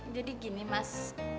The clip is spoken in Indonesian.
jadi gini mas